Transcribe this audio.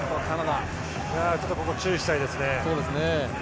ここは注意したいですね。